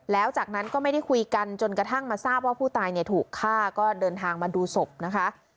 แล้วจากนั้นก็ไม่ได้คุยกันจนกระทั่งมาทราบว่าผู้ตายเนี่ยถูกฆ่าก็เดินทางมาดูศพนะคะ